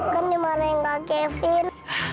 kan dimarahin kak kevin